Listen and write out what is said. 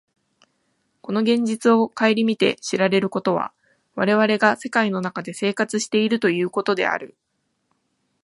この現実を顧みて知られることは、我々が世界の中で生活しているということである。